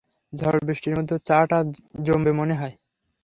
ঝড়-বৃষ্টির মধ্যে চা-টা জমবে মনে হয়।